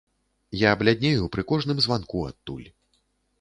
Я бляднею пры кожным званку адтуль.